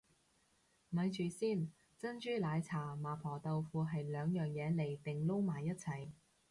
咪住先，珍珠奶茶麻婆豆腐係兩樣嘢嚟定撈埋一齊